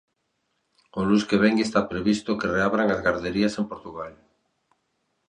O luns que vén está previsto que reabran as garderías en Portugal.